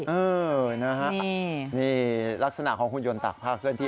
เออนะฮะนี่ลักษณะของหุ่นยนต์ตากผ้าเคลื่อนที่